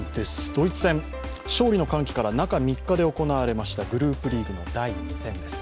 ドイツ戦、勝利の歓喜の中３日で行われましたグループリーグの第２戦です。